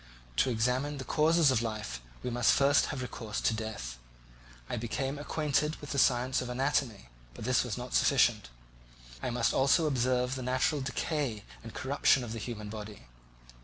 To examine the causes of life, we must first have recourse to death. I became acquainted with the science of anatomy, but this was not sufficient; I must also observe the natural decay and corruption of the human body.